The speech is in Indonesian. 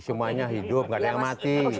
semuanya hidup gak ada yang mati